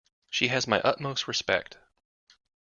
She has my utmost respect.